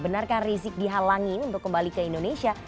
benarkah rizik dihalangi untuk kembali ke indonesia